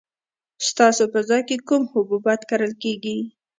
ستاسو په ځای کې کوم حبوبات کرل کیږي؟